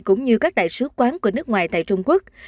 cũng như các đại sứ quán của nước ngoài tại trung quốc